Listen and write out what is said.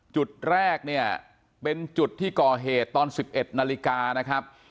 จุดแรกเนี่ยเป็นจุดที่ก่อเหตุตอน๑๑นาฬิกานะครับ